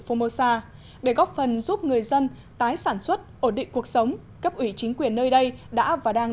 phongmosa để góp phần giúp người dân tái sản xuất ổn định cuộc sống cấp ủy chính quyền nơi đây đã và đang